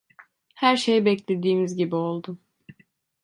Her şey beklediğimiz gibi oldu.